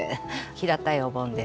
平たいお盆です。